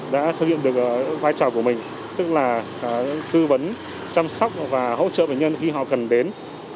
đã thực hiện được vai trò của mình tức là tư vấn chăm sóc và hỗ trợ bệnh nhân khi họ cần đến